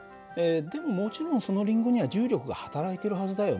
でももちろんそのりんごには重力がはたらいてるはずだよね。